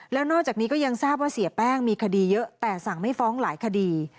แล้วนอกจากนี้ก็ยังทราบว่าเสียแป้งมีคดีเยอะแต่สั่งไม่ฟ้องหลายคดี